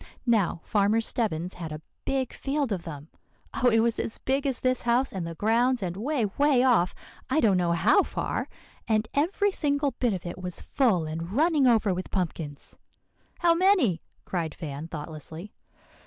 Now, Farmer Stebbins had a big field of them, oh! it was as big as this house and the grounds, and way, way off, I don't know how far; and every single bit of it was full and running over with pumpkins." "How many?" cried Van thoughtlessly.